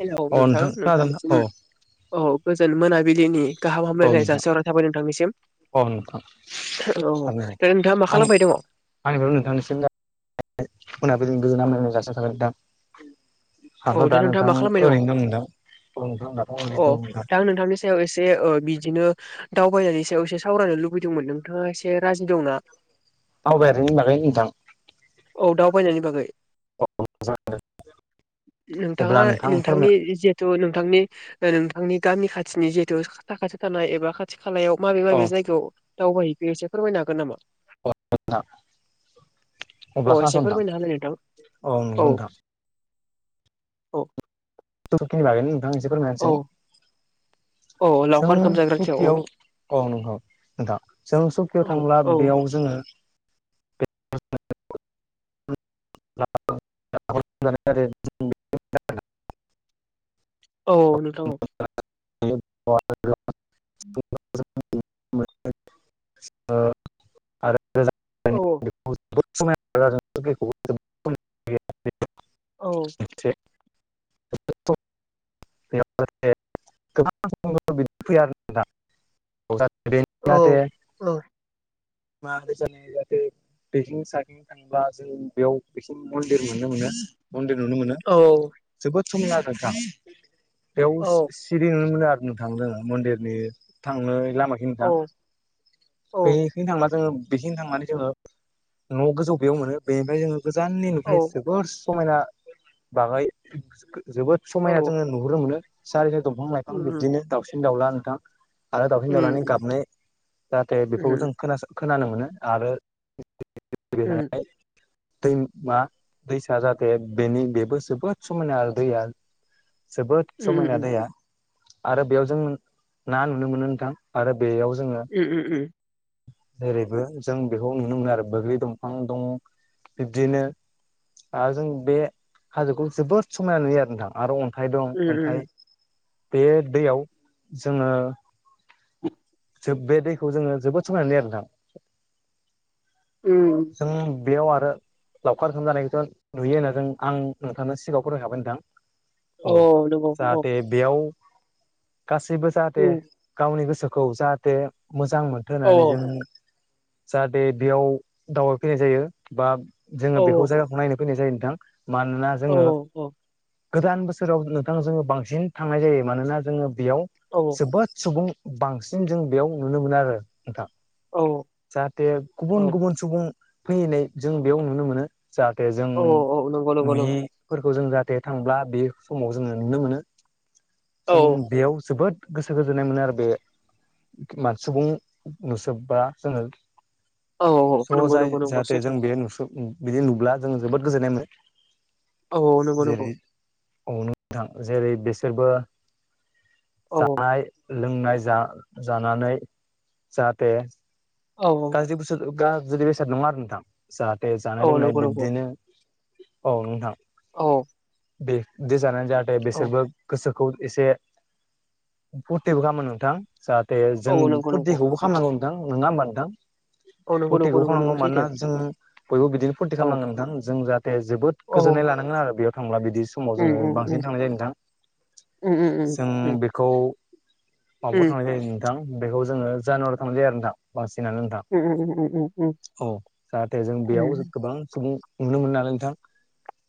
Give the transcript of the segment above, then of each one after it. Hello अ नोंथां खोनादों ना औ नोंथांनिसिम औ गोजोन मोनाबिलिनि गाहाम औ हामलायनाय नोंथां जासिहरनाय थाबाय नोंथांनिसिम। औ नोंथां औ दा नोंथाङा मा आंनि खालामबाय दङ? आंनिफ्राय नोंथांनिसिम मोनाबिलि गोजोन हामलायनाय जासिहरनाय थाबाय औ नोंथां आंथ' दा नोंथाङा नोंथां मा खालामबाय दङ ओरैनो दं नोंथां औ नोंथां दाथ' ओरैनो अ दं नोंथां दा नोंथांनि सायाव एसेओ बि बिदिनो दावबायनानै सायाव एसे सावरायनो लुबैदोंमोन नोंथाङा एसे राजि दंना? दावबायारिनि बागै नोंथां। औ दावबायनायनि बागै औ अब्ला नोंथाङा नोंथां नोंथांनि फोरमाय जिथु नो नोंथांनि नोंथांनि गामि खाथिनि जिहेथु साखाथि थानाय एबा खाथि खा खालायाव माबे औ माबे जायगायाव दावबायहैफो एसे फोरमायनो हागोन नामा? औ नोंथां अ अब्लाखौ एसे हासथां फोरमायना होलाय नोंथां औ नंगौथां औ [unintelligible] एसे फोरमायना औ होसाय औ लावखार जोङो ओंखाम जाग्राथियाव औ जुकियाव औ नंगौ नोंथां जों सकिआव औ थांब्ला औ बेयाव जोङो [inaudible] [unintelligible] [inaudible] औ नोंथां [unintelligible] आरो [unintelligible] औ औ [unintelligible] औ जथ' [unintelligible] गोबां बिदि फैया [unintelligible] औ औ मदेशानो जाहाथे [unintelligible] बेथिं साखं थांब्ला जों बेयाव बेसिं मन्दिर मोनुनो मोनो मन्दिर नुनो मोनो औ जोबोद समाय आरो नोंथा बेयाव औ सिरि नुनो मोनो आरो बुंनो थांदोंोङो मन्दिरनि थांनो लामााखि नोंथां औ औ बै बा जोङो बेथिं थांनानै जोङो न' गोजौ बेयाव मोनो बेनिफ्राय जोङो गोजाननि औ नफ्राय जोबोर समायना बागाय जोबोद समायना औ जोङो नुहरनो मोनो सारि साय दंफां लाइफां उम बिब्दिनो दाउसिन दाउला नोंथां आरो दावउसिन दावउनानै उम गाबनाय जाहाथे उम बेफोरखौ जों खोनानो मोनो आरो उ दै मा दैसा जाहाथे बेनि बेबो जोबोद समायना आरो दैया [inaudible] जोबोद उम समायना दैाया आरो बेयाव जों ना नुनो मोनो नोंथां आरो बेयाव जोङो उम उम जेरैबो जों बेखौ नुनो मोनो आरो बग्लि दंफां दं बिब्दिनो आरो जों बे हाजोखौ जोबोद समायना नुयो आरो नोंथां आरो अन्थाइ दं उम अन्थाइ बे दैयाव जोङो [inaudible] ज बे दैखौ जोङो जोबोद समायना लिरदां उम बेयाव आरो लावखार ओखोम जानायखौथ' नुयो होनना जों आं नोंथांनो सिगाङावखौ रोंखाबाय नोंथां औ नंगौ औ जाहाथे बेयाव गासैबो जाहाथे उम गावनि गोसोखौ जाहाथे मोजां मोनथों औ होननानै जों जाहाथे बेयाव दावबायफैनाय जायो बा जोङो औ बेखौ जायगाखौ नायनो फैनाय जायो नोंथां मानोना जोङो औ गोदान बोसोराव नोंथांा जोङो बांसिन थांनाय जायो मानोना जोङो बेयाव औ जोबोद सुबुं बांसिन जों बेयाव नुनो मोनो आरो नोंथा जाहाथे औ गुबुन गुबुन सुबुं फैैनाय जों बेयाव नुनो मोनो जाहाथे जों औ औ नंगौ नंगौ नंगौ नुयिफोरखौ जों जाहाथे बे थांब्ला बे समाव जोङो नुनो मोनो औ जों बेयाव जोबोद गोसो गोजोननाय मोनो आरो बे मान सुबुं नुसोबबा जोङो। औ ज' जाय नंगौ नंगौ जाहाथे सैथो जों बे नुस बिदि नुब्ला जों जोबोद गोजोननाय मोनो। औ नंगौ नंगौ। अ नोंथां जेरै बिसोरबो औ जानाय लोंनाय जा-जानानै जाहाथे गाज्रि बोसोर गा जुदि बेसाद नङा आरो नोंथां जाहाथे जानाय औ लोंनाय नंगौ नंगौ बिब्दिनो औ नोंथां। औ बे दै जानानै जाहाथे बेसोरबो गोसो खौ एसे फुरथिबो खामो नोंथां जाहाथे औ जों नंगौ नंगौ फुरथिखौबो खामो नोंथां नोङा होमबा नोंथां? औ नंगौ फुरथिखौ नंगौ खामाव नंगौ माव मानोना सैथो जों बयबो बिदिनो फुरथि औ खामनांगो नोंथां जों जाहाथे जोबोद औ गोजोन्नाय लानांगोन आरो बेयाव थांब्ला बिदि समाव उम जोङो उम उम बांसिन थांनाय जायो नोंथां उम जों उम बेखौ माबायाव उम थांनाय जायो नोंथां बेखौ जोङो जानुवार थांनाय जायो आरो नोंथां बांसि उम उम उम [unintelligible] औ जाहाथे जों बेयाव उम गोबां सुबुं नुनो मोन नालाय नोंथां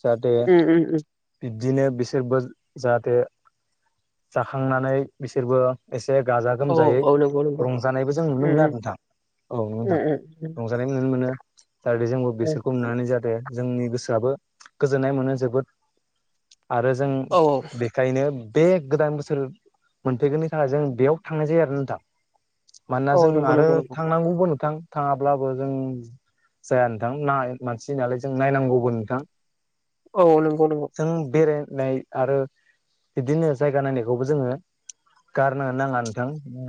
जाहाथे उम बि दिनो बिसोरबो जाहाथे जाखांनानै बिसोरबो एस से गाजा औ गोमजायै रंजानायबो जों नुनो मोनो आरो नोंथां औ नोंथां रंजानायनायबो नु नो मोनो जाहाथे जोंबो बिसोरखौ नुनानै जाहाथ थे जोंनि गोसोआबो गोजोन्नाय मोनो जोबोद। आरो जों औ बेखायनो बे गोदान बोसोर मोनफैगोननि थाखाय जों बेयाव थांनाय जायो आरो नोंथां। मानोना जों औ नंगौ आरो नंगौ नंगौ थांनांगौबो थां थाङाब्लाबो जों जाया नोंथां ना मानसिनाालाय जों नायनांगौबो नोंथां। औ नंगौ नंगौ। नाय आरो बिदिनो जायगा नायनायखौबो जोङो गारनो नाङा नोंथां।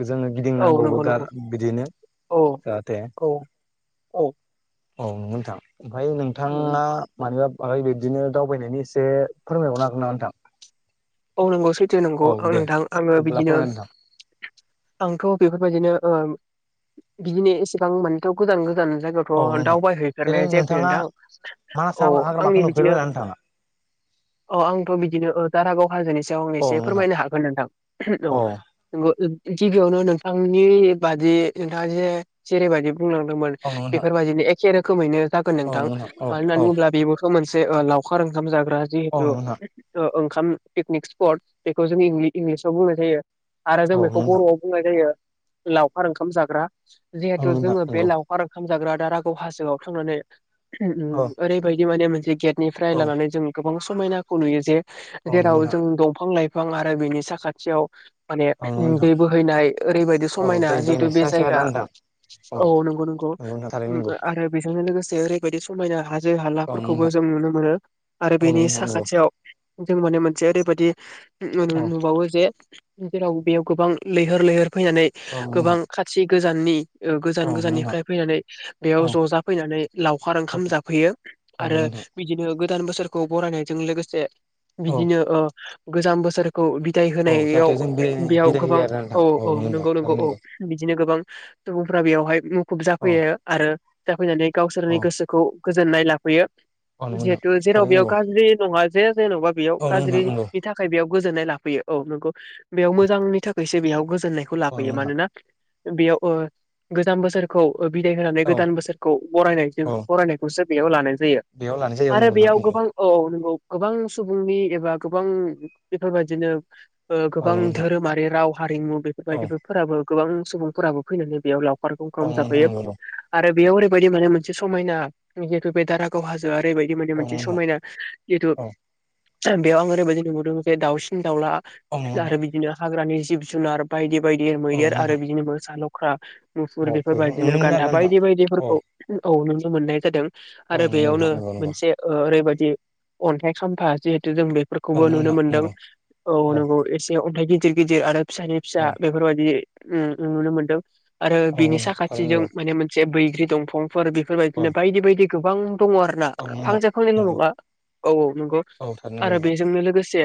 जोङो औ गिदिंनांगौबो। नंगौ नंगौ [unintelligible] बिदिनो औ जाहाथे औ औ औ नंगौ नोंथां ओमफाय उम उम नोंथाङा मानिबा बाहाय बिब्दिनो दावबायनायनि एसे फोरमायबावनो हागोन नामा नोंथां? औ नंगौ सैथो नांगौ औ आं दे नोंथां आङो अब्ला बिदिनो फोरमायदो नोंथां आंथ' बेफोरबायदिनो ओ बिदिनो एसेबां मोनथ' गोजान गोजान औ जायगायावथ' नोंथां दावबाय जेरै हैैफेरनाय जायाखै नोंथाङा नोंथां मानास औ हाग्रामाखौ आंनि बिदिनो नुफेरबायना नोंथाङा अ आंथ' बिदिनो ओ दारागाव बेनि सायाव आं औ एसे नंगौ नोंथां फोरमायनो हागोन नोंथां औ नंगौ। गिबियावनो नोंथांनि बादि नोंथां जे जेरैबादि बुंलांदोंमोन औ नंगौ नोंथां बेफोरबायदिनो एखे रोखोमैनो जागोन औ नोंथां नंगौ औ मानो होननानै औ बुङोब्ला बेबोथ' मोनसे से ओ लावखार ओंखाम जाग्रा जिहेथु ओ ओंखाम पिकनिक स्पट बेखौ जों इंलि-इंलिसाव बुंनाय जायो आरो जों औ नंगौ बेखौ नोंथां बर'आव बुंनाय जायो लावखार ओंखाम जाग्रा औ जिहेथु नंगौ नोंथां औ नंगौ नोंथां जोङो बे नंगौ लावखार ओंखाम जाग्रा दारागाव हाजोआव थांनानै होम औ ओम ओरैबायदि माने मोनसे गेट निफ्राय औ लानानै जों गोबां समायनाखौ नुयो जे औ नंगौ जेराव नोंथां जों दंफां फां लाइफां आरो बिनि साखाथियाव माने औ नंगौ उम नोंथां दै बोहैनाय ओरैबायदि औ समायना दै जिदु बोहैनाय बे स्राय स्राय जायगा आरोना नोंथां औ नंगौ नंगौ नोंथां थारैनो उम नंगौ आरो बेजोंनो लोगोसे से ओरैबायदि समायना हाजो औ नंगौ हालाफोरखौबो नोंथां जों नुनो मोनो आरो औ नंगौ बेनि नोंथां नंगौ साखाथियाव जों माने मोनसे ओरैबादि उम औ नुबावो जे जेराव बेयाव गोबां लैहोर लैहोर फैनानै औ नंगौ गोबां नोंथां खाथि गोजाननि ओ औ गोजान नंगौ नोंथां गोजाननिफ्राय फैनानै औ बेयाव ज' जाफैनानै लावखार ओंखाम औ जाफैयो नंगौ आरो नोंथां बिदिनो गोदान बोसोरखौ बरायनायजों लोगोसे औ बिदिनो ओ गोजाम बोसोर खौ बिदाय औ होनायाव जाहाथे जों बिदाय बेयाव बिदाय होयो गोबां आरोना औ औ नोंथां नंगौ नंगौ औ बिदिनो गोबां सुबुंफ्रा बेयावहाय मुखुब जाफैयो आरो जाफैनानै गावसोरनि गोसोखौ गोजोननाय लाफैयो नोंथां जिहेतु जेराव थारैनो बेयाव नंगौ गाज्रि नङा। जे जेन'बा बेयाव औ नंगौ नोंथां थारैनो नंगौ गाज्रिनि थाखाय बेयाव गोजोननाय लाफैयो औ नंगौ बेयाव मोजांनि थाखायसो बेयाव गोजोननायखौ औ नंगौ लाफैयो नोंथां नंगौ औ नंगौ नोंथां मानोना बेयाव ओ गोजाम बोसोरखौ बिदाय होनानै औ गोदान बोसोरखौ बरायनायजों औ बरानायखौसो बेयाव लानाय जायो बेयाव लानाय जायो औ आरो नंगौ बेयाव नोंथां नंगौ गोबां औ नोंगौ। गोबां सुबुंनि एबा गोबां बेफोरबायदिनो। औ गोबां नंगौ नोंथां धोरोमारि राव हारिमु औ बेफोरबायदिफोराबो गोबां सुबुंफोराबो फैनानै बेयाव लाव औ [unintelligible] जाफैयो नंगौ नोंथां नंगौ आरो बेयाव ओरैबायदि माने मोनसे समायना जि बे दारागाव हाजोआ। ओरैबायदि माने मोनसे समायना जिहेथु। औ बेयाव आं ओरैबायदि नुबोदों बे दाउसिन दाउला औ नंगौ आरो नोंथां बिदिनो हाग्रानि जिब जुनार बायदि बायदि औ नंगौ मैदेर आरो नोंथां औ बिदिनो मोसा लख्रा। मुफुर नंगौ बेफोरबायदिनो गान्दा नोंथां बायदि औ बायदिफोरखौ औ नुनो मोननाय जादों । बेखौ आरो नुनो बेयावनो मोनो आरोना मोनसे ओरैबायदि अन्थाइ खामफा जिहेथ त जों नोंथां औ बेफोरखौबो नंगौ नोंथां नंगौ नुनो मोन्दों नंगौ नोंथां नंगौ औ नंगौ एसे अन्थाइ गिदिर गिदिर आरो। फिसानि फिसा औ बेफोरबायदि नु नुनो मोनदों। आरो औ नंगौ बिनि नोंथां थारैनो साखाथिजों नंगौ माने मोनसे बैग्रि दंफांफोर औ बेफोरबायदिनो बायदि बायदि गोबां दङ आरो ना औ नंगौ नोंथां फांसे फांनैल' नंगौ नङा। औ औ नंगौ औ थारैनो आरो नंगौ बेजोंनो लोगोसे।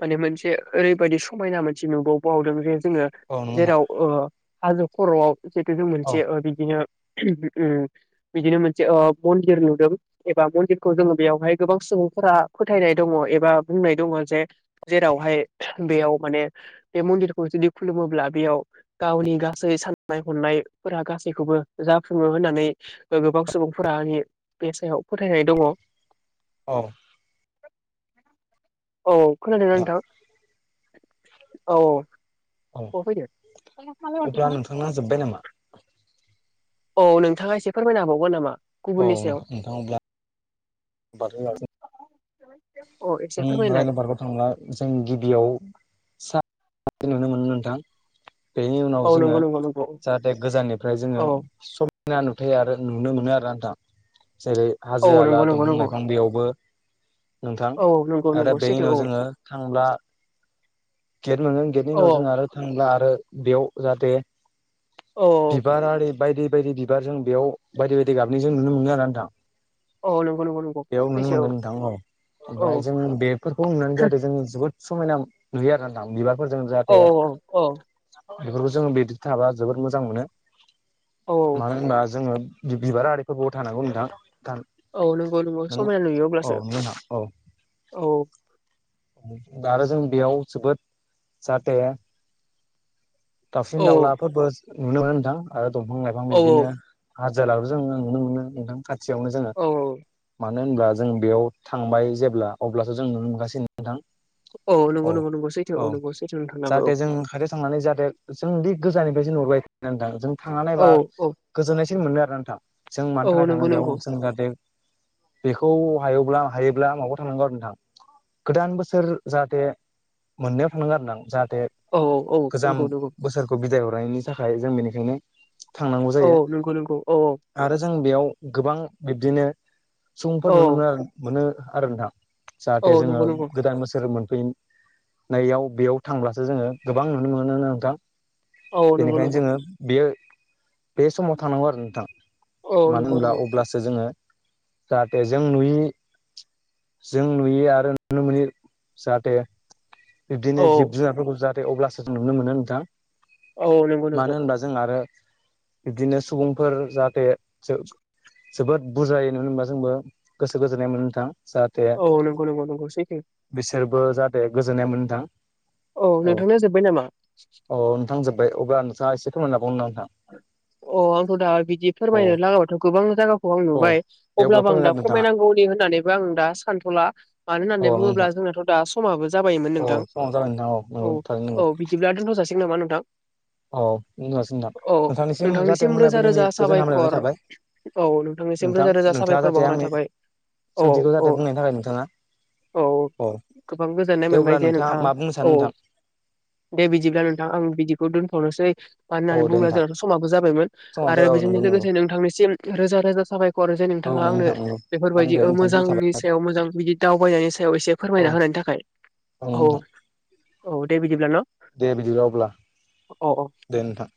माने मोनसे ओरैबायदि समायना मोनसे नुबोबावदों जे जोङो औ नंगौ नोंथां जेराव हाजो खर'आव जितु जों औ मोनसे बिदिनो। उम बिदिनो मोनसे मन्दिर नुदों एबा मन्दिरखौ जोङो बेयावहाय। गोबां सुबुंफोरा फोथायनाय दङ एबा बुंनाय दङ जे जेरावहाय बेयाव माने बे मन्दिरखौ जुदि खुलुमोब्ला बेयाव गावनि गासै साननाय हनायफोरा गासैखौबो जाफुङो होननानै गोबां सुबुंफोरानि बे सायाव फोथायनाय दङ। औ। नोंथां औ खोनादोंना नोंथां औ अब्ला नोंथांना औ। जोब्बाय नामा [unintelligible] औ नोंथाङा एसे फोरमायनो हाबावगोन नामा? औ गुबुननि हागोन सायाव नोंथां अब्ला [unintelligible] औ एसे जों फोरमायनाय रायन पार्कआव थांब्ला जों गिबियाव सा [unintelligible] नुनो मोनो नोंथां। बेनि उनाव औ जोङो नंगौ नंगौ नंगौ औ जाहाथे गोजाननिफ्राय जोङो औ समायना नुथाय आरो। नुनो मोनो आरो नोंथां जेरै हाजो औ हाला नंगौ नंगौ दंफां नंगौ लाइफां बेयावबो नोंथां। औ नंगौ आरो नंगौ बेनि सैथो उनाव औ जोङो थांब्ला। गेट मोनो गेटनि औ उनाव जों आरो थांब्ला आरो बेयाव जाहाथे औ औ बिबारारि बायदि बायदि बिबार जों बेयाव बायदि बायदि गाबनि जों नुनो मोनो आरो नोंथां । औ नंगौ नंगौ नंगौ बेयाव नुनो सैथो मोनगोन नोंथां औ। औ ओमफ्राय जों बेफोरखौ नुनानै ज जादों जों जोबोद समायना नुयो आरो नोंथां बिबार। औ औ औ। बेफोरखौ जोङो बिदि थाबा जोबोद मोजां मोनो औ मानो होनबा जोङो। बिबार आरिफोरबो थानांगौ नोंथां। औ नंगौ नंगौ नों समायना नुयो औ अब्लासो औ। आरो आरो जों बेयाव जोबोद जाथे। दाउसिन औ औ दाउलाफोरबो नुनो मोनो नोंथां आरो दंफां लाइफां बिदिनो। औ हाजारबो जोङो नुनो मोनो नोंथां खाथियावनो जोङो। औ मानो होनब्ला जों बेयाव थांबाय जेब्ला अब्लासो जों नुनो मोनगासिनो नोंथां। औ नंगौ नंगौ नंगौ सैथो औ नंगौ सैथो नोंथांनाबो जाहाथे जों खाथियाव थांनानै जाहाथे। जों बे गोजाननिफ्रायसो नहरबाय नोंथां जों थांनानै औ नायबा औ औ गोजोननायसो मोनो आरोना नोंथां। जों मानि औ थाखाय थाङो नंगौ बेयाव नंगौ जों जाहाथे। बेखौ हायोब्ला हायोब्ला माबायाव थांनांगौ आरो नोंथां। गोदान बोसोर जाहाथे मोननायाव थांनांगो आरो नां जा औ औ औ नंगौ नंगौ। बोसोरखौ बिदाय हरनायनि थाखाय जों बेनिखायनो थांनांगौ औ जायो नंगौ नोंगौ। आरो जों बेयाव गोबां बिब्दिनो सुबुंफोर औ नुनो मोनो आरो मोनो आरो नोंथां औ जाहाथे जोङो नंगौ नंगौ गोदान बोसोर मोनफै नैयाव बेयाव थांब्लासो जोङो गोबां नुनो मोनोनो नोंथां। औ नंगौ बेनिखायनो नंगौ जोङो बेयो बे समाव थांनांगौ आरो नोंथां औ मानो नंगौ होनब्ला नंगौ अब्लासो जोङो जाहाथे जों नुयि जों नुयो आरो नुनो मोनो जाहाथे औ बिब्दिनो जिब-जुनारफोरखौ जाहाथे अब्लासो जों नुनो मोनो दां औ नंगौ नंगौ मानो होनबा जों आरो बिबदिनो सुबुंफोर जाहाथे जो जोबोद बुजायोन होनबा जोंबो गोसो गोजोननाय मोनो नोंथां जाहाथे औ नंगौ नंगौ नंगौ सैथो बिसोरबो जाहाथे गोजोननाय मोनदां औ नोंथांना जोब्बाय नामा? औ नोंथां जोब्बाय अबब्ला नोंथाङा एसे खमाय लाबावनो ना नोंथां अ आंथ' दा बिदि अ फोरमायनो लागाथ' गोबां जायाखौ आं औ नुबाय दे अब्ला अब्लाबो आं फोरमायना दा फोरमायनांगौनि होननानैबो आं दा सानथ'ला मानो होननानै होदो नोंथाङा औ बुङोब्ला नोंथां जोंनाथ' दा जाबायोमोन नोंथां औ समाबो जाबाय नोंथां औ नंगौ थारैनो नंगौ औ बिदिब्ला दोनथ' जासिगोन नामा नोंथां औ बुंनोसै नोंथां औ नोंथांनिसिम जाहाथे रोजा रोजा मोनाबिलिनि गोजोन साबायखर हामलायनाय थाबाय औ नोंथांनिसिम नोंथां रोजा रोजा नोंथाङा साबायखर जाहाथे बावरनाय आंनि थाबाय औ सोंथिखौ औ जाहाथे बुंनायनि थाखाय नोंथाङा औ गोबां गोजोननाय दे अब्ला मोनबाय जे नोंथाङा मा बुंनो सानो औ नोंथां दे बिदिब्ला नोंथां आं बिदि बे दोनथावनोसै मानो होननानै औ दे बुंबा नोंथां जोंनाथ' समाबो जाबायमोन समाबो आरो जाबाय औ नंगौ बेजोंनो नंगौ लोगोसे नोंथांनिसिम रोजा रजा साबाय हरो जै औ नोंथाङा नंगौ आंनो नोंथां नंगौ बेफोरबायदि आंनिफ्रायबो नोंथांसिम साबायखर मोजांनि सायाव मोजां बिदि दावबायनायनि सायाव एसे औ फोरमायना होनानै थाखाय औ औ दे बिदिब्ला न' दे बिदिबा अब्ला औ औ दे नोंथां